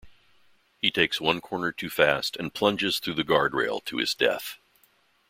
He takes one corner too fast and plunges through the guardrail to his death.